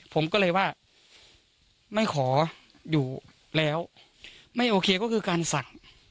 ผมก็เลยว่าไม่ขออยู่แล้วไม่โอเคก็คือการสั่ง